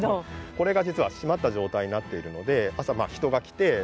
これが実は閉まった状態になっているので朝人が来てドームを開けて。